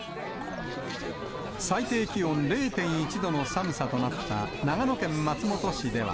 最低気温０．１度の寒さとなった長野県松本市では。